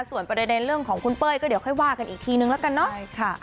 ส่วนประเด็นเรื่องของคุณเป้ยก็เดี๋ยวค่อยว่ากันอีกทีนึงแล้วกันเนาะ